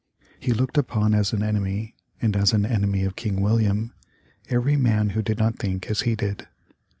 He looked upon as an enemy, and as an enemy of King William, every man who did not think as he did.